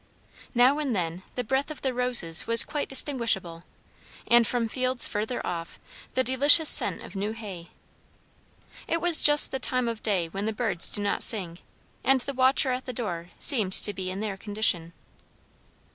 Now and then the breath of the roses was quite distinguishable; and from fields further off the delicious scent of new hay. It was just the time of day when the birds do not sing; and the watcher at the door seemed to be in their condition.